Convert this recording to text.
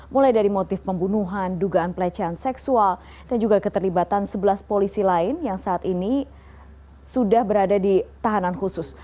mulai dari motif pembunuhan dugaan pelecehan seksual dan juga keterlibatan sebelas polisi lain yang saat ini sudah berada di tahanan khusus